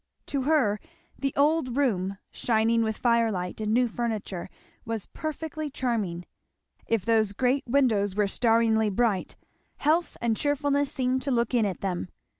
To her the old room, shining with firelight and new furniture, was perfectly charming. If those great windows were staringly bright, health and cheerfulness seemed to look in at them.